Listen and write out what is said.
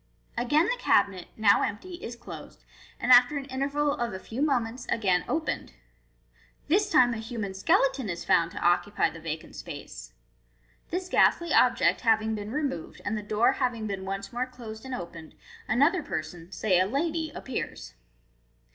Again the cabinet, now empty, is closed, and after an interval of a few mo ments, again opened. This time a human skele ton is found to occupy the vacant spat e. This ghastly object having been removed, and the door having been once more closed and opened, another person, say a lady, appears.